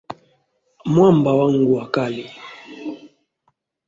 Mwamba wangu wa kale.